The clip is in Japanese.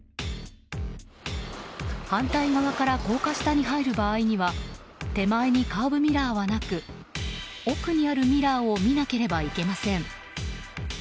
反対側から高架下に入る場合には手前にカーブミラーはなく奥にあるミラーを見なければいけません。